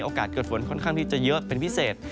เกิดฝนค่อนข้างที่จะเยอะเป็นพิเศษ